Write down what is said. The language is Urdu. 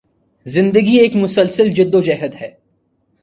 زندگی ایک مسلسل جدوجہد کا نام ہے